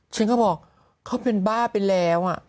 ฉันก็บอกเขาเป็นบ้าไปแล้ว